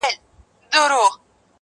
زه به د خال او خط خبري كوم,